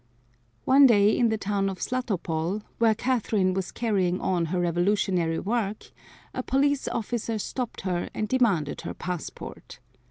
One day in the town of Zlatopol, where Catherine was carrying on her revolutionary work, a police officer stopped her and demanded her passport.